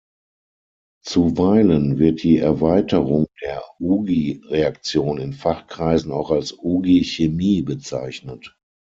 Zuweilen wird die Erweiterung der Ugi-Reaktion in Fachkreisen auch als "Ugi-Chemie" bezeichnet.